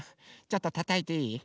ちょっとたたいていい？